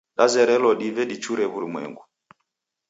Dazerelo dive dichure w'urumwengu.